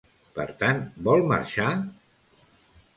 Per tant, vol marxar?